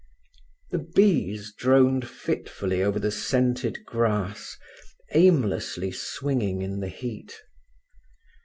The bees droned fitfully over the scented grass, aimlessly swinging in the heat.